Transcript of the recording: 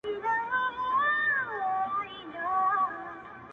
پر ازل مي غم امیر جوړ کړ ته نه وې،